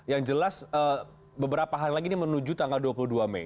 yang jelas beberapa hari lagi ini menuju tanggal dua puluh dua mei